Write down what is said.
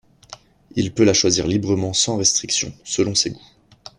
Il peut la choisir librement sans restriction, selon ses goûts.